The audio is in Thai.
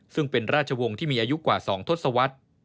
ซึ่งเป็นราชวงศ์ที่มีอายุกว่า๒ทศวรรษ